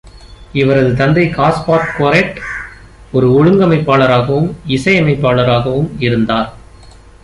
இவரது தந்தை காஸ்பார்ட் கோரெட் ஒரு ஒழுங்கமைப்பாளராகவும் இசையமைப்பாளராகவும் இருந்தார்.